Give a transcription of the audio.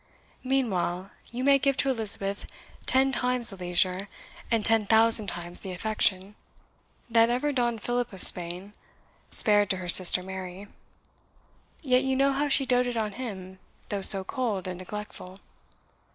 Meanwhile you may give to Elizabeth ten times the leisure, and ten thousand times the affection, that ever Don Philip of Spain spared to her sister Mary; yet you know how she doted on him though so cold and neglectful.